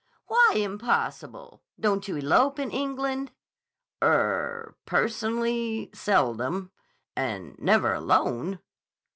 "Why impossible? Don't you elope in England?" "Er—personally, seldom. And never alone."